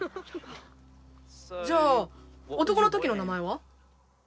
「じゃあ男のときの名前は？」。